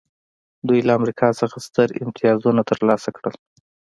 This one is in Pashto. دوی له امریکا څخه ستر امتیازونه ترلاسه کړل